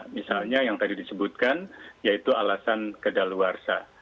misalnya yang tadi disebutkan yaitu alasan keda luarsa